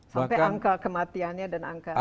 sampai angka kematiannya dan angka